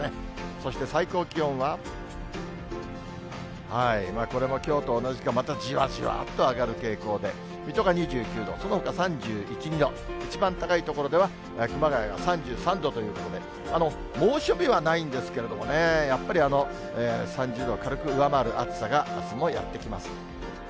そして最高気温は、これもきょうと同じか、またじわじわっと上がる傾向で、水戸が２９度、そのほか３１、２度、一番高い所では熊谷が３３度ということで、猛暑日はないんですけれどもね、やっぱり３０度を軽く上回る暑さがあすもやって来ます。